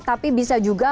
tapi bisa juga